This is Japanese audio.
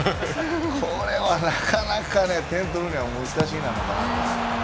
これは、なかなか点を取るのは難しいかなと思います。